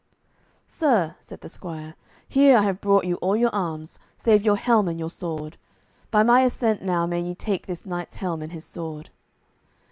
"Sir," said the squire, "here I have brought you all your arms, save your helm and your sword. By my assent now may ye take this knight's helm and his sword."